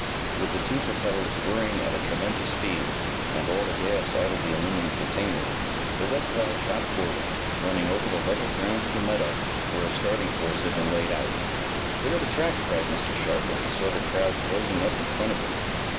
With the two propellers whirring at a tremendous speed, and all the gas out of the aluminum container, the Red Cloud shot forward, running over the level ground of the meadow, where a starting course had been laid out. "Clear the track!" cried Mr. Sharp, as he saw the crowd closing up in front of him.